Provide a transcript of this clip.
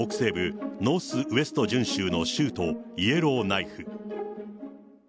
ここは北西部ノースウェスト準州の州都イエローナイフ。